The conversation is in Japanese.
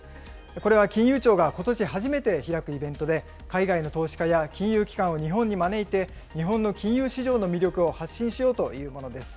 これは金融庁がことし初めて開くイベントで、海外の投資家や金融機関を日本に招いて、日本の金融市場の魅力を発信しようというものです。